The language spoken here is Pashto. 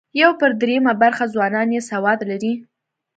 یو پر درېیمه برخه ځوانان یې سواد لري.